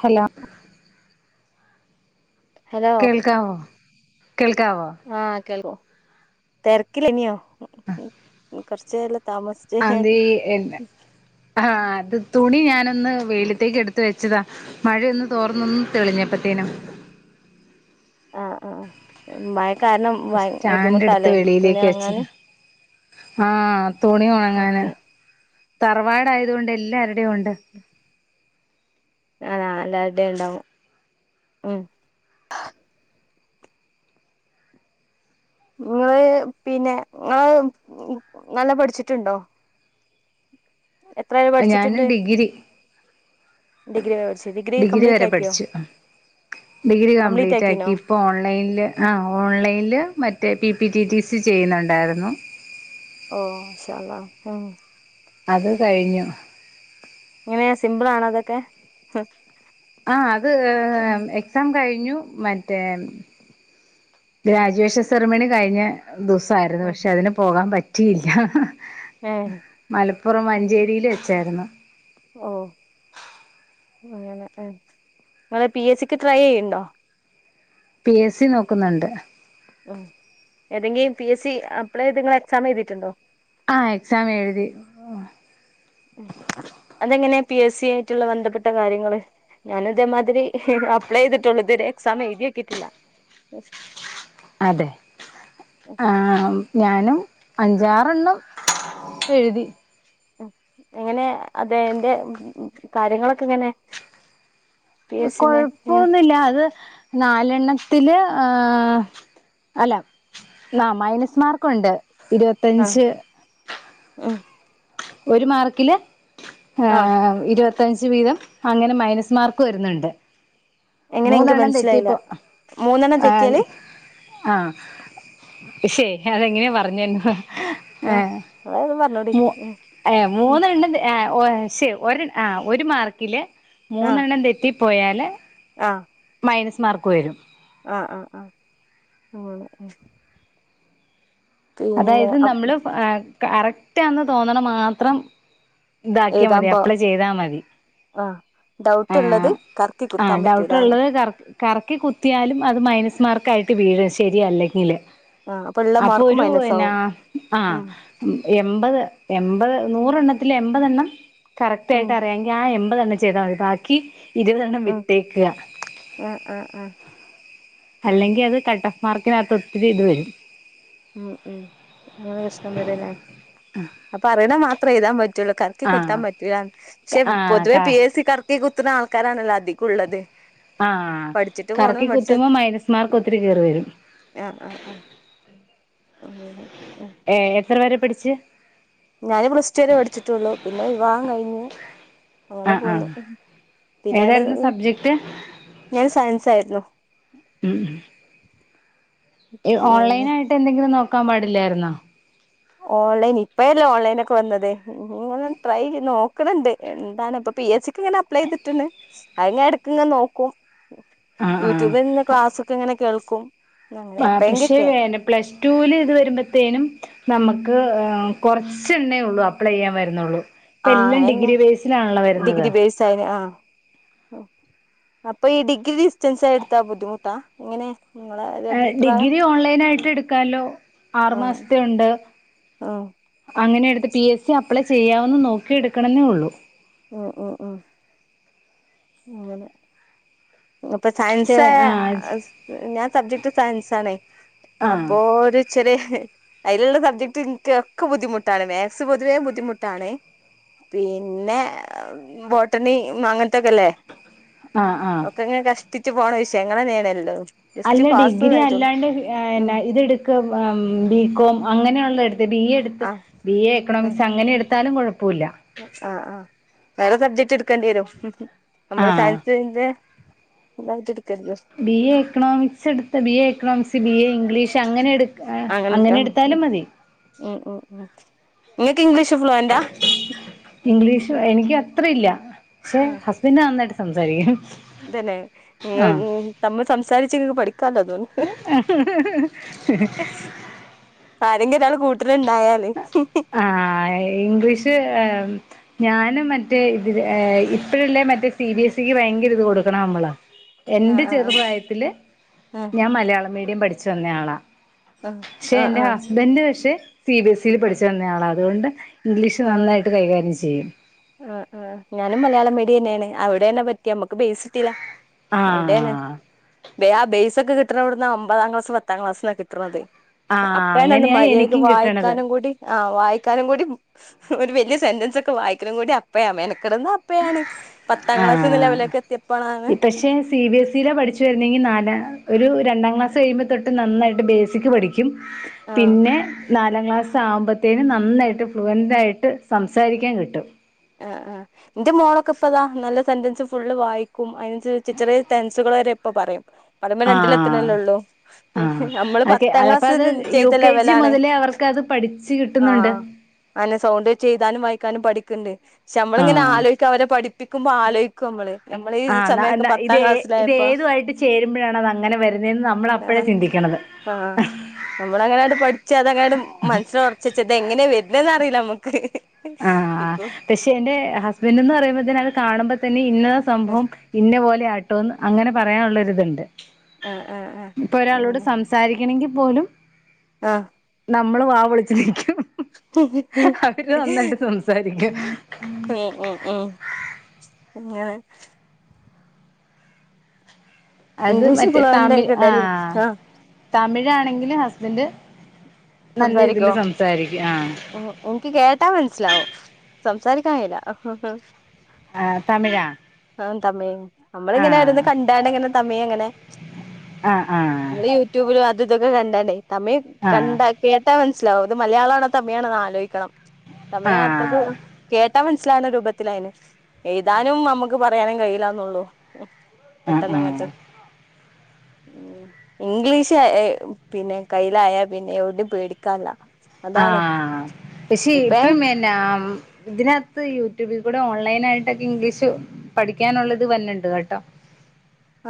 Hello, hello, കേൾക്കാവോ കേൾക്കാവോ ആഹ് കേൾക്കും? തിരക്കിലേനിയോ? [unintelligible] [unintelligible] അതെ എല്ലാം ആഹ് അത് തുണി ഞാനൊന്ന് വെയിലത്തേക്ക് എടുത്ത് വെച്ചതാ മഴയൊന്ന് തോർന്നൊന്ന് തെളിഞ്ഞപ്പഴ്ത്തേനും ആഹ് ആഹ് മഴ കാരണം സ്റ്റാൻഡ് എടുത്ത് ബുദ്ധിമുട്ടാല്ലേ തുണി വെളിയിലേക്ക് ഒണങ്ങാന് വെച്ചത് ആഹ് തുണി ഉണങ്ങാന് ഓക്കെ തറവാട് ആയത്കൊണ്ട് എല്ലാരുടെയും ഉണ്ട് അതാ എല്ലാരുടെയും ഉണ്ടാവും ഉം നിങ്ങള് പിന്നെ നിങ്ങൾ നല്ല പഠിച്ചിട്ടുണ്ടോ എത്ര വരേ ഞാന് ഡിഗ്രി ഡിഗ്രി വരെ പഠിച്ചു ഡിഗ്രി കംപ്ലീറ്റ് വരെ ആക്കിയോ പഠിച്ചു ഡിഗ്രി കംപ്ലീറ്റ് ആക്കി ഇപ്പൊ ഓൺലൈനില് ആ ഓൺലൈനിൽ മറ്റേ P P T T C ചെയ്യുന്നുണ്ടായിരുന്നു ഓ ഇൻശാഅല്ലാഹ്‌ ഉം അത് കഴിഞ്ഞു എങ്ങനെ സിംമ്പിൾ ആണോ അതൊക്കെ ആഹ് അത് എക്സാം കഴിഞ്ഞു മറ്റേ ഗ്രാജുവേഷൻ സെറിമണി കഴിഞ്ഞ് ദിസായിരുന്നു പക്ഷെ അതിന് പോകാൻ പറ്റിയില്ല ഏഹ് മലപ്പുറം മഞ്ചേരിൽ വെച്ചാരുന്നു ഓ അങ്ങെനെ ഇങ്ങെള് പി എസ് സിക്ക് ട്രൈ ചെയ്യ്ണ്ടോ പി എസ് സി നോക്കുന്നുണ്ട് മം ഏതെങ്കിലും പി എസ് സി അപ്ലൈ ചെയ്ത് ഇങ്ങൾ എക്സാം എഴുതിട്ട്ണ്ടോ ആ എക്സാം എഴുതി അതെങ്ങനെയാ പി എസ് സി ആയിട്ട്ള്ള ബന്ധപ്പെട്ട കാര്യങ്ങള് ഞാനും ഇതേമാതിരി അപ്ലൈ ചെയ്തിട്ടുള്ളു ഇത് വെരെ എക്സാം എഴതി നോക്കിട്ടില്ല അതെ ആ ഞാനും അഞ്ചാറെണ്ണം എഴുതി എങ്ങനെ അതെന്റെ കാര്യങ്ങളൊക്കെ എങ്ങനെ പി എസ് സിന്റെ കൊഴൊപ്പൊന്നില്ല അത് നാലെണ്ണത്തില് ആഹ് അല്ല ആ മൈനസ് മാർക്ക് ഉണ്ട് ഇരുപത്തി ആ ഉം ഒരു മാർക്കില് ആ ആഹ് ഇരുപത ത്തഞ്ച് വീതം അങ്ങനെ മൈനസ് മാർക്ക് വരുന്നുണ്ട് എങ്ങനെ എനിക്ക് മൂന്നെണ്ണം മനസ്സിലായില്ല തെറ്റിപ്പൊ മൂന്നെണ്ണം ഏഹ് തെറ്റിയാല് ആ പക്ഷെ അതെങ്ങനെ പറഞ്ഞ് തെരണം ആഹ് അത് അണ്ട് പറഞ്ഞൂടി ഏഹ് മൂന്നെണ്ണം ഏഹ് ഓയെ ശെ ഒരെ ആഹ് ഒരു മാർക്കില് മൂന്നെണ്ണം തെ തെറ്റിപോയാല് ആഹ് മൈനസ് മാർക്ക് വെരും ആഹ് ആഹ് ആഹ് അങ്ങനെ ഉം അതായത് നമ്മള് കറക്ക്റ്റാന്ന് തോന്നണ് മാത്രം ഇതാക്കിയാ എഴുതാൻ മതി പോ അപ്ലൈ ചെയ്താമതി ആ ഡൗട്ട് ഉള്ളത് ആഹ് കറക്കി കുത്താൻ ആഹ് ഡൗട്ട് പറ്റൂലാന്ന് ഉള്ളത് കറ കറക്കി കുത്തിയാലും അത് മൈനസ് മാർക്ക് ആയിട്ട് വീഴും ശരിയല്ലെങ്കില് ആഹ് അപ്പ അപ്പൊ ഇള്ളമാർക്കും ഒരു എന്നാ ആഹ് എൺപത് എൺപത് നൂറെണ്ണത്തിൽ എൺപത് എണ്ണം കറക്റ്റ് ഉം ആയിട്ട് അറിയാങ്കിൽ ആ എൺപതെണ്ണം ചെയ്താൽ മതി ബാക്കി ഇരുപതെണ്ണം ഉം വിട്ടേക്ക ആഹ് ആഹ് ആഹ അല്ലെങ്കിൽ അത് കട്ടോഫ് മാർക്കിനത്ത് ഒത്തിരി ഇത് വരും ഉം ഉം അങ്ങനെ പ്രശ്നം വരുംല്ലേ അപ്പൊ അറിയ്ണ മാത്രം എഴുതാൻ പറ്റൂ റ്റുള്ളു കർക്കി കുത്താൻ ആഹ് പറ്റൂലാന്ന് പക്ഷേ ആഹ് ക പൊതുവെ പി എസ് സി ക്കാർക്ക് കറക്കി കുത്ത്ണ ആൾക്കാരാണല്ലോ അധികും ഇള്ളത് ആഹ് കറക്കി കുത്തുമ്പോ മൈനസ് മാർക്ക് ഒത്തിരി കേറി വരും ആ ആ ഓഹോ ഓ ഏഹ് എത്ര വരെ പഠിച്ച് ഞാന് പ്ലസ് ടുവരേ പഠിച്ചിട്ടുള്ളു പിന്നെ വിവാഹം കഴിഞ്ഞു അങ്ങനെ ആഹ് പോന്നു ആഹ് പിന്ന ഏതായിരുന്നു ണ്ട് സബ്ജക്ട് ഞാൻ സയൻസായിരുന്നു ഈ ഓൺലൈനായിട്ട് എന്തെങ്കിലും നോക്കാൻ പാടില്ലായിരുന്നോ ഓൺലൈൻ ഇപ്പഴല്ലേ ഓൺലൈൻ ഒക്കെ വന്നത് ഞാനൊന്ന് ട്രൈ ചെയ് നോക്ക്ണ് ണ്ട് എന്താണ് ഇപ്പം പി എ സിക്ക്ങ്ങനെ അപ്ലൈ യ്തിട്ട്ണ് അഹ്ങ്ങെ എട്ക്ക് ഇങ്ങെ നോക്കും ആഹ് ആഹ് യൂട്യൂബിൽ നിന്ന് ക്ലാസ്സക്കെ ഇങ്ങനെ കേൾക്കും അങ്ങനെ ആഹ് പക്ഷെ എപ്പഴെങ്കിലൊക്കെ വേന്നെ പ്ലസ് ടുൽ ഇത് വരുമ്പോത്തേനും നമുക്ക് കുറച്ചെണ്ണെ യെള്ളൂ അപ്ലൈ ചെയ്യാൻ വരുന്നുള്ളൂ ഇപ്പ ആ എല്ലാം ഡിഗ്രി വേസിലാണല്ലോ വരുന്നത് ചൈനി ആഹ് അപ്പൊ ഈ ഡിഗ്രി ഡിസ്റ്റൻസായി എടുത്താ ബുദ്ധിമുട്ടാ എങ്ങനെ നിങ്ങളെ ഒരു അഭിപ്രായം ഡിഗ്രി ഓൺലൈൻ ആയിട്ട് എടുക്കാല്ലോ ആ ആറുമാസത്തെ ണ്ട് ആ അങ്ങനെ എടുത്ത് പി എസ് സി അപ്ലൈ ചെയ്യാവന്ന് നോക്കിയ എടുക്കണേ ന്നൊള്ളൂ ആ ആ ആ അങ്ങനെ അപ്പം ചെ സയൻസായ ആഹ് ഞാൻ സബ്ജക്ട് സയൻസ് ആണേ ആഹ് അപ്പോ ര് ചെറിയെ അയില്ള്ള സബ്ജക്ട് ഇൻക്ക് ഒക്കെ ബുദ്ധിമുട്ടാണ് മേത്‌ സ് പൊതുവേ ബുദ്ധിമുട്ടാണേ പിന്നെ ബോട്ടണി അങ്ങനത്തൊക്കെല്ലേ ആഹ് ആഹ് ക്കങ്ങനെ കഷ്ടിച്ചു പോണ വിഷയങ്ങള നേണ് എല്ലോ അല്ല ഡിഗ്രി അല്ലാണ്ട് ഉം എനാ ഇത് ടു ക്കും ബി കോം അങ്ങനെയുള്ളടുത്ത് ബി എ എടു ത്ത് ആ ബി എ എക്കണോമിക്സ് അങ്ങനെ എടുത്താലും കൊഴപ്പുല്ല ആഹ് ആഹ് വേറെ സബ്ജക്ട് എടുക്കേണ്ടി വരും നമ്മള് ആഹ് സയൻസിന്റെ തായിട്ട് ഇട് ക്ക ര്ത് ബി എക്കണോമിക്സ് എടുത്ത B economics B A English അങ്ങനെ എടു ആ അങ്ങനെ എടുത്താലും മതി ഉം ഉം ഉം ഇങ്ങൾക്ക് ഇംഗ്ലീഷ് ഫ്ലുവന്റാ ഇംഗ്ലീഷ് എനിക്ക് അത്ര ഇല്ല പക്ഷെ ഹസ്ബൻഡ് നന്നായിട്ട് സംസാരിക്കും തന്നെ ങ്ങൾ ആഹ് തമ്മ് സംസാരിച്ച് ങ്ങക്ക് പഠിക്കാലോ അതൊ ണ്ട് ആ [inaudible] ആരങ്കി ഒരാള് കൂട്ടിന് ഇണ്ടായാല് ആഹ് ഇംഗ്ലീഷ് ഏഹ് ഞാനും മറ്റേ ഇതില് ഏ ഇപ്പഴല്ലേ മറ്റേ സി ബി എസിക്ക് ഭയങ്കര ഇത് കൊടുക്ക് ണേ നമ്മള് [inaudible] എന്റെ ആ ചെറുപ്രായത്തില് ആഹ് ഞാൻ മലയാള മീഡിയം പഠിച്ചു വന്നയാളാ ആഹ് പക്ഷെ ആഹ് എന്റെ ആഹ് ഹസ്ബൻഡ് പക്ഷെ സി ബി എസ് യിൽ പഠിച്ചു വന്നയാള അതുകൊണ്ട് ഇംഗ്ലീഷ് നന്നായിട്ട് കൈകാര്യം ചെയ്യും ആഹ്ആഹ് ഞാനും മലയാളം മീഡിയ ന്നെണ് അവിടെണ് പറ്റിയെ നമ്മക്ക് ബെയ്സ് കിട്ടീല്ല അവിടെ ണ് ആഹ് ആ ബേസ് ഒക്കെ കിട്ടണ ഒട്ന്നാ ഒമ്പതാം ക്ലാസ് പത്താം ക്ലാസ് ന്നാ കിട്ട്ണത് ആഹ് അപ്പയാണ് ന്ന് അങ്ങനെയാ മര്യാക്ക് എനിക്കും കിട്ടണത് വായിക്കാനും കൂടി ആഹ് വായിക്കാനും കൂടി ഒരു വല്യയ സെന്റൻസ് ഒക്കെ വായിക്ക്ണ കൂടി അപ്പയാ മെനക്കട്ന്നാ യാണ് പത്താം ക്ലാസ്ന്ന് ലെവലിലേക്കെത്തിയപ്പളാണ് ആഹ് പക്ഷെ സി ബി എസ് ഇയിലാ പഠിച്ചു വരുന്നെങ്കി നാലാ ഒരു രണ്ടാം ക്ലാസ്സ് കഴിയുമ്പോ തൊട്ട് നന്നായിട്ട് ബേസിക്ക് പഠിക്കും ആഹ് പിന്നെ നാലാം ക്ലാസ് ആവുമ്പത്തേനും നന്നായിട്ട് ഫ്ലുവന്റായിട്ട് സംസാരിക്കാൻ കിട്ടും ആഹ് ആഹ് ഇന്റെ മോളൊക്കെ ഇപ്പതാ നല്ല സെന്റൻസ് ഫുള്ള് വായിക്കും അയിനനുസരിച്ച് ചെറിയ ടെൻസുകൾ വരെ ഇപ്പ പറയും പറേമ്പോലെ ആഹ് രണ്ടിലത്തണല്ലേള്ളൂ ആഹ് നമ്മള് ഓക്കെ പത്താം ക്ലാസ് വരെ ചെയ്ത ലെവലാണ് ക്കത് പഠിച്ചു കിട്ടുന്നൊണ്ട് അയന്നെ സൗണ്ട് വെച്ചെയ്താനും വായിക്കാനും പഠിക്കണ്ട് പക്ഷമ്മളിങ്ങനെ ആഹ് ആലോയ് ക്കവരെ പഠിപ്പിക്കുമ്പോ ആലോയ്ക്കും അമ്മള് ആഹ് ഇന്നാ എന്നാ ഇതേ ഇതേതുവായിട്ട് ചേരുമ്പഴാണ് അത് അങ്ങനെ വരുന്നേന്ന് നമ്മൾ അപ്പഴാ ചിന്തിക്കണത് ആഹ് നമ്മള് അങ്ങനാണ്ട് പഠിച്ച് അത് അങ്ങനാട് മനസ്സിലൊറച്ചേച്ച് ഇത് എങ്ങനെയാ വെര്ന്നെന്ന് അറിയില്ല അമ്മക്ക് ഇപ്പം ക്ഷെ എന്റെ ഹസ്ബൻ്റ്ന്ന് പറയുമ്പോത്തേന് അത് കാണുമ്പോ തന്നെ ഇന്നതാ സംഭവം ഇന്ന പോലെ ആ ട്ടോന്ന് അങ്ങനെ പറയാനുള്ളൊരിത്ണ്ട് ആഹ് ആഹ് ആഹ് ഇപ്പൊ ഒരാളോട് അങ്ങനെ സംസാരിക്കണങ്കി പോലും ആഹ് നമ്മള് വാ പൊളിച്ച് നിക്കും അവര് നന്നായിട്ട് സംസാരിക്കും [unintelligible] അങ്ങനെ അത് ഇംഗ്ലീഷ് മറ്റേ ഫ്ലുവന്റ് ആയി തമിഴ് കിട്ടാൻ ആഹ് തമിഴാണെങ്കിലും ഹസ്ബൻഡ് നല്ല രീതിൽ സംസാരിക്കോ സംസാരിക്കും ആഹ് ഉം എനിക്ക് കേട്ടാ മനസ്സിലാവും സംസാരിക്കാൻ കഴീല്ലാ ആഹ് തമിഴാ ആഹ് തമിഴ് നമ്മളിങ്ങനെ ഓരോന്നു ആഹ് കണ്ടാണ്ട് ഇങ്ങനെ തമിഴങ്ങനെ ആഹ് ആഹ് ഇങ്ങള് യൂറ്റൂ ട്യൂബിലും അതും ഇതൊക്കെ കണ്ടാണ്ടേ തമിഴ് ആഹ് കണ്ടാ കേട്ടാ മനസ്സിലാവും ഇത് മലയാളാണോ തമിഴാണോന്ന് ആലോയ്ക്കണം തമിഴാ ആഹ് അത്രയ്ക്ക് കേട്ടാ മനസ്സിലാവുന്ന രൂപത്തിലായിന് എഴുതാനും നമ്മക്ക് പറയാനും കഴിയില്ലാന്നൊള്ളൂ ആഹ് പെട്ടെന്ന് ആഹ് അങ്ങനത്തെ ഉം ഉം ഇംഗ്ലീഷ് ഏഹ് പിന്നെ കയ്യിലായാ പിന്നെ എവിടേം പേടിക്കാല്ലാ ആഹ് പക്ഷെ ഇപ്പഴും എൻ നാം ഇതിനകത്ത് യൂട്യൂബിൽ കൂടെ ഓൺലൈൻ ആയിട്ടൊക്കെ ഇംഗ്ലീഷ് പഠിക്കാനുള്ള ഇത് വന്നൊണ്ട് കേട്ടോ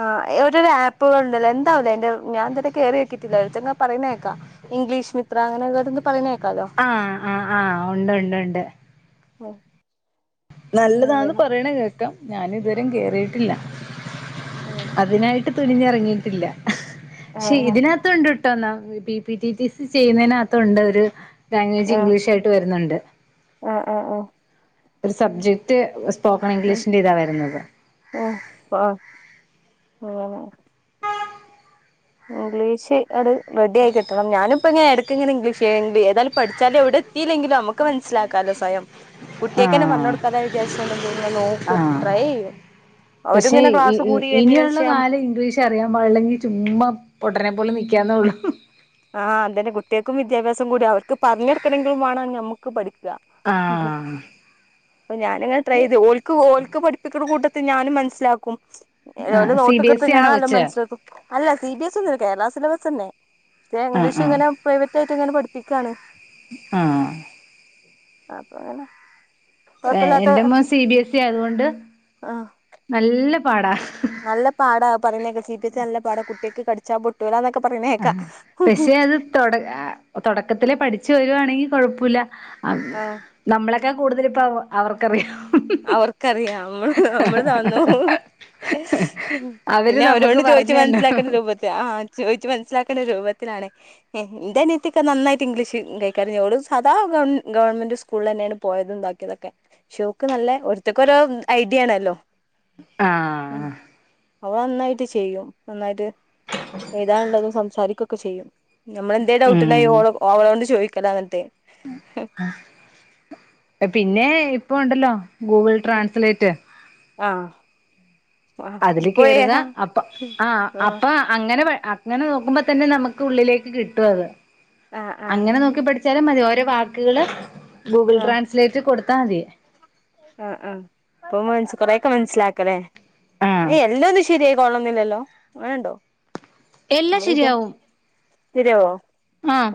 ആഹ് ഓരോരോ ആപ്പുകൾ ഉണ്ടല്ലോ എന്താവൂല്ലേ അയിന്റെ ഞാൻ ഇത് വരെ കേറി നോക്കീട്ടില്ലാ ഒരോരുത്തര്ങ്ങനെ പറയുന്നേക്കാ ഇംഗ്ലീഷ്മിത്ര അങ്ങെനെയൊക്കെ ഓരോന്ന് പറയണ കേക് ആഹ് ആഹ് ആഹ് ഒണ്ട് ഒണ്ട് ഒണ്ട് ഓഹ് നല്ലതാന്ന് പറയണ കേക്കാം ഞാന് ഇതുവരേം കേറിയിട്ടില്ല ഉം അതിനായി ട്ട് തുനിഞ്ഞെറങ്ങിയിട്ടില്ല ആഹ് പക്ഷെ ആഹ് ഇതിനാത്ത് ത്തുണ്ട്ട്ടോന്നാ പി പിടി ടി സി ചെയ്യുന്നതിനകത്തുണ്ടൊരു ലാംഗ്വേജ് ആഹ് ഇംഗ്ലീഷ് ആയിട്ട് വരുന്നുണ്ട് ആഹ് ആഹ് ആഹ് ഒരു സബ്ജക്ട് സ്പോക്കൺ ഇംഗ്ലീഷിന്റെ ഇതാ വരുന്നത് ഓഹ് ആഹ് അങ്ങനെ ഇംഗ്ലീഷ് ആട് റെഡി ആയി കിട്ടണം ഞാനിപ്പോ ഇങ്ങനെ എടക്കിങ്ങനെ ഇംഗ്ലീഷ് [unintelligible] ഏതാലും പഠിച്ചാലെവിടെ ത്തീല്ലെങ്കിലും നമുക്ക് മനസ്സിലാക്കാലോ സ്വയം കുട്ട്യാക്കന്നെ പറഞ്ഞു ആഹ് കൊടുക്കാതെ വിചാരിച്ചലെന്തേങ്കും നോക്കും ആഹ് ട്രൈ ചെയ്യും. അവരും പക്ഷെ ഇങ്ങനെ ഇ ക്ലാസ് ഇ കൂടി ഇനിയുള്ള വരുന്നതിനനുസരിച്ച് ഞം കാലം ഇംഗ്ലീഷ് ക്ക്അറിയാൻ പാടില്ലങ്കി ചുമ്മാ പൊട്ടനെ പോലെ നിക്കാന്നേ ഉള്ളൂ. ആഹ് അതന്നെ കുട്ട്യാൾക്കും വിദ്യാഭ്യാസം കൂടി അവർക്ക് പറഞ്ഞൊടുക്കണങ്കിലും വാണം നമ്മുക്ക് പഠിക്കാ. ആഹ് പ്പൊ ഞാന്ങ്ങനെ ട്രൈ ചെയ്ത് ഓൽക്ക് ഓക്ക് പഠിപ്പിക്ക്ണ കൂട്ടത്തിൽ ഞാനും മനസ്സിലാക്കും. ആ ഓല് സി ബി നോട്ടൊക്കെട്ത്ത് എസ് ഇ ആണോ ഞാനല്ലോ കൊച്ച് മൻസ്സിലാക്കും. അല്ല സി ബി എസ് ഒന്നല്ല കേരള സിലബസന്നെ. ദേ ആഹ് ഇംഗ്ലീശ് ആഹ് ങ്ങനെ പ്രൈവറ്റ് ആയിട്ട് ങ്ങനെ പഠിപ്പിക്കാണ്. ആഹ് അപ്പൊ ങ്ങനെ എന്റെമോൻ സി ബിഎസ് സി ആയതുകൊണ്ട് ആ നല്ല പാടാ നല്ല പാടാ പറയുന്നേക്കെ സി ബി എസ് സി നല്ല പാടാ കുട്ട്യേക്ക് കട്ച്ചാ പൊ ട്ടൂലന്നൊക്കെ പറീണേക്കാം പക്ഷെ അത് തൊട തൊടക്കത്തിലെ പഠിച്ചു വരുവാണെങ്കി കൊഴപ്പൂല്ല ആ നമ്മളെ ക്കെ കൂടുതൽപ്പോ അ അവർക്കറിയാം നമ്മള് നമ്മള് താന്നു അവര് പിന്നെ നമുക്ക് അവരോട് ചോയ്ച്ച് പറഞ്ഞു തന്നു മൻസ്സിലാക്കണ്ട രൂപത്തി ആഹ് ചോയ്ച്ചു മനസ്സിലാക്കണ്ട രൂപത്തിലാണേ ന്റെനിയത്തിക്കെ നന്നായിട്ട് ഇംഗ്ലീഷ് കൈകാര്യംയ്യും ഓള് സാദാ ഗവൺമെന്റ് സ്കൂളിൽ തന്നെണ് പോയതും താക്ക്യേതൊക്കെ ഷോ ക്ക് നല്ലെ ഒരോത്തക്കൊരോ ഐഡിയ ആണല്ലോ ആഹ് അവൾ നന്നായിട്ട് ചെയ്യും. നന്നായിട്ട് എയ്താൻള്ളതും സംസാരിക്കൊക്കെ ചെയ്യും. നമ്മളെന്തേ ഡൗട്ട്ണ്ടേയ് ഉം ഓളോട് ചോയ്ക്കലാ ന്നിട്ട് പിന്നെ ഇപ്പൊണ്ടല്ലോ ഗൂഗിൾ ഉം ട്രാൻസ്ലേറ്റ് ആഹ് ആഹ് അതില് പോയേ കേറുക ആഹ് അപ്പ ആഹ് അപ്പ അങ്ങനെ അങ്ങനെ നോക്കുമ്പോ തന്നെ നമുക്ക് ഉള്ളിലേക്ക് കിട്ടും അത് ആഹ് ആഹ് അങ്ങനെ നോക്കി പട് ചാലും മതി ഓരോ വാക്ക്കള് ഗൂഗിൾ ട്രാൻസ്ലേറ്റ് കൊടുത്താ മതി. ആ ആഹ് അപ്പൊ മനസ് കൊറേക്കെ മനസ്സിലാക്കലെ ആഹ് ഏയ് എല്ലാന്നും ശരിയായി കൊള്ളൊന്നില്ലല്ലോ അങ്ങനെണ്ടോ എല്ലാം [unintelligible] ശരിയാവും സെര്യാവോ ആഹ്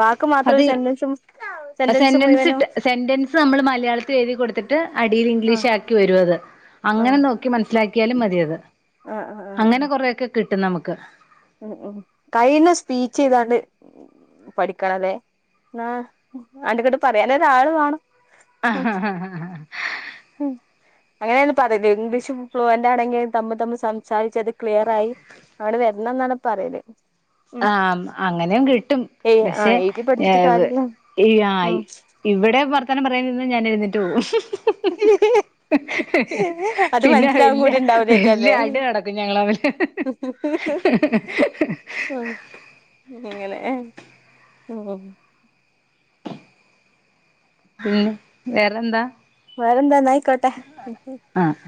വാക്ക് മാത്രം അത് സെന്റെൻസും സെന്റൻസ് ഇട്ട് സെന്റൻസ് നമ്മൾ മലയാളത്തി എയ്തി കൊട്ത്തിട്ട് ട്ട് അടീൽ ആഹ് ഇംഗ്ലീഷ് ആക്കി വരുഅത് അങ്ങനെ ആഹ് നോക്കി മനസ്സിലാക്കിയാലും മതിയത്. ആഹ് ആഹ് ആഹ് അങ്ങനെ ആഹ് കൊറെക്കെ കിട്ടും നമുക്ക് ഉം ഉം കയ്ണ സ്പീച്ച്യ്താണ്ട് പഠിക്കണല്ലേ ആ ആണ്ടും ഇങ്ങട്ടും പറീനരാളുമാണം ആ ഹ ഹ ഉം അങ്ങനെണ് പറേല് ഇംഗ്ലീഷ് ഫ്ലുവന്റ് ആണെങ്കി തമ്മ് തമ്മ് സം സംസാരിച്ച് അത് ക്ലിയർ ആയി അങ്ങണ്ട് വരണം ന്നാണ് പറയല്. ഉം ആഹ് അങ്ങനേം കിട്ടും ഏയ് പക്ഷെ ആഹ് എഴുതി പഠിച്ചിട്ട് കാര്യല്ല ഇ ആയി ഉം ഇവിടെ വർത്താനം പറയാൻ നിന്ന ഞാൻ എഴ്ന്നേറ്റ് പോവും. അത് പിന്നെ മനസ്സിലാവും വല്യ കൂടി വല്യ ഉണ്ടാവൂലേക്കല്ലേ അടി നടക്കും ഞങ്ങളമ്മിൽ ഉം എങ്ങനെ ഉം ഉം വേറെന്താ വേറെന്താ ഇന്നാ അയിക്കോട്ടെ ആഹ്